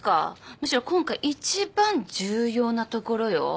むしろ今回一番重要なところよ。